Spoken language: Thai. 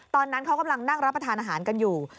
ตอนนั้นเขากำลังนั่งรับประทานอาหารกันอยู่